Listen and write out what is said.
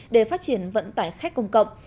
để phát triển vận tải khách công cộng